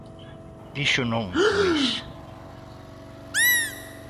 Dixo non, Luís.